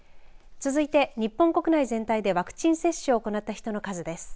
続いて、日本国内全体でワクチン接種を行った人の数です。